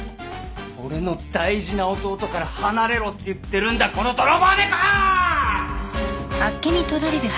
俺の大事な弟から離れろって言ってるんだこの泥棒猫！